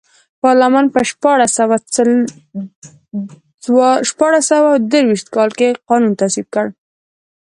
پارلمان په شپاړس سوه درویشت کال کې قانون تصویب کړ.